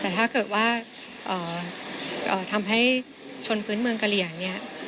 แต่ถ้าเกิดว่าทำให้ชนพื้นเมืองกะเหลี่ยงเนี่ย